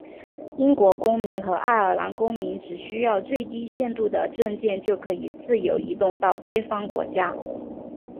英国公民和爱尔兰公民只需要最低限度的证件就可以自由移动到对方国家。